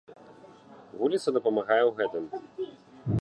Вуліца дапамагае ў гэтым.